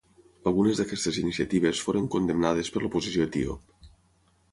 Algunes d'aquestes iniciatives foren condemnades per l'oposició etíop.